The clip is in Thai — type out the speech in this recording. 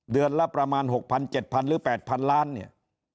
เดือนละประมาณ๖๐๐๗๐๐หรือ๘๐๐ล้านเนี่ย